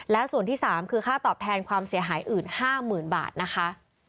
และส่วนที่๓คือค่าตอบแทนความเสียหายอื่น๕๐๐๐บาทนะคะ